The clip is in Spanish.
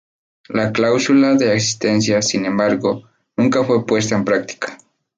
La cláusula de asistencia, sin embargo, nunca fue puesta en práctica.